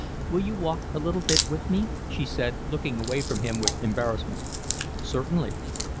"Will you walk a little bit with me?" she said, looking away from him with embarrassment. "Certainly."